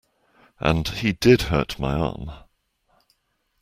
And he did hurt my arm.